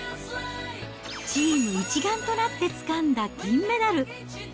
チーム一丸となってつかんだ銀メダル。